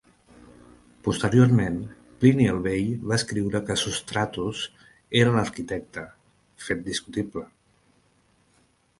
Posteriorment, Plini el Vell va escriure que Sostratus era l'arquitecte, fet discutible.